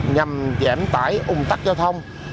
nhằm giảm tải ủng tắc giao thông